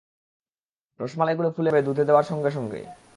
রসমালাইগুলো ফুলে যাবে দুধে দেওয়ার সঙ্গে সঙ্গেই।